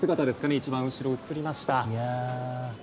一番後ろに映りました。